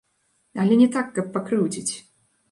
Але не так, каб пакрыўдзіць.